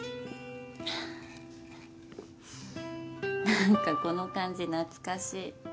なんかこの感じ懐かしい。